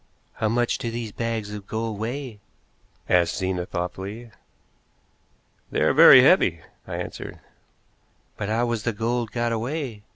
"How much do these bags of gold weigh?" asked Zena thoughtfully. "They are very heavy," I answered. "But how was the gold got away?"